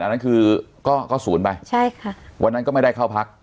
อันนั้นคือก็ศูนย์ไปใช่ค่ะวันนั้นก็ไม่ได้เข้าพัก